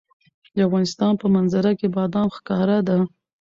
د افغانستان په منظره کې بادام ښکاره ده.